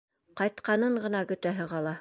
Ҡайтҡанын ғына көтәһе ҡала.